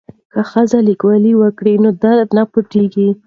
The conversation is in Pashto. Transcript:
که ښځې لیکوالي وکړي نو درد نه پټیږي.